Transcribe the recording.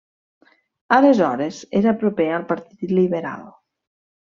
Aleshores era proper al Partit Liberal.